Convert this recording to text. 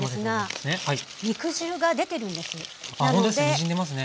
にじんでますね。